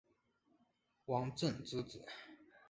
王震之子。